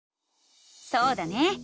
そうだね！